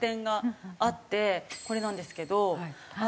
これなんですけど。